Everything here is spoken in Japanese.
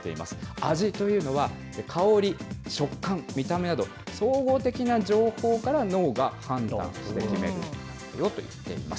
味というのは、香り、食感、見た目など、総合的な情報から脳が判断して決めるんですよと言っています。